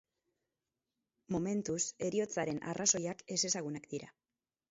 Momentuz, heriotzaren arrazoiak ezezagunak dira.